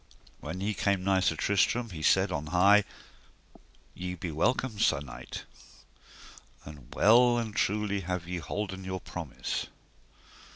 When he came nigh Sir Tristram he said on high: Ye be welcome, sir knight, and well and truly have ye holden your promise.